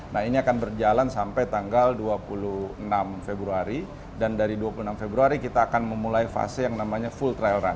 nah ini akan berjalan sampai tanggal dua puluh enam februari dan dari dua puluh enam februari kita akan memulai fase yang namanya full trail run